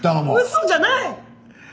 嘘じゃない！